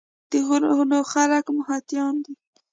د غرونو خلک محنتيان دي ـ